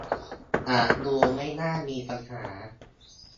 อาจดูไม่น่ามีปัญหา